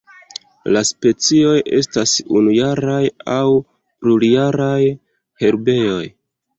La specioj estas unujaraj aŭ plurjaraj herboj.